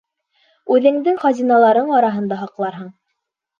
Үҙеңдең хазиналарың араһында һаҡларһың.